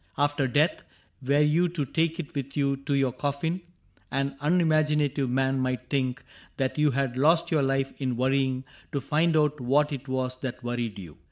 After death. Were you to take it with you to your coffin An unimaginative man might think That you had lost your life in worrying To find out what it was that worried you.